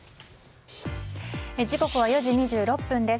時刻は４時２６分です。